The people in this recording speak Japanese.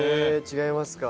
違いますか。